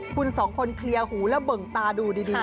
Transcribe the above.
คุณสองคนเคลียร์หูแล้วเบิ่งตาดูดี